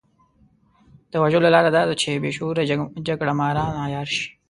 د وژلو لاره دا ده چې بې شعوره جګړه ماران عيار شي.